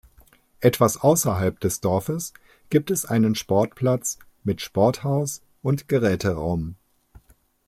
Etwas außerhalb des Dorfes gibt es einen Sportplatz mit Sporthaus und Geräteraum.